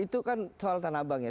itu kan soal tanah abang ya